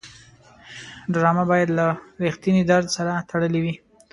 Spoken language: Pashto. ډرامه باید له رښتینې درد سره تړلې وي